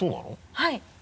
はい。